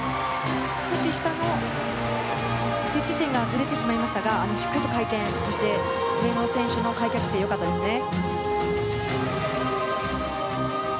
少し下の設置点がずれてしまいましたがしっかりと回転、そして上の選手開脚姿勢良かったですね。